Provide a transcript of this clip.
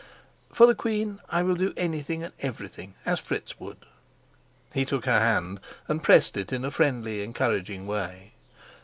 "For the queen I will do anything and everything, as Fritz would." He took her hand and pressed it in a friendly, encouraging way.